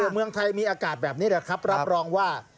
เมืองไทยมีอากาศแบบนี้แหละครับรับรองว่า